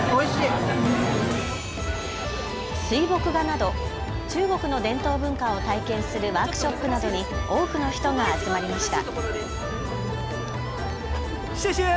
水墨画など中国の伝統文化を体験するワークショップなどに多くの人が集まりました。